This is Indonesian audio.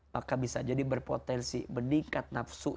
maka bisa jadi berpotensi meningkat nafsu